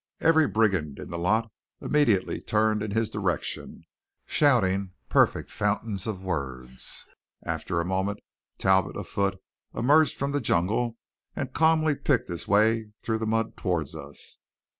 Every brigand in the lot immediately turned in his direction, shouting perfect fountains of words. After a moment Talbot, afoot, emerged from the jungle and calmly picked his way through the mud toward us.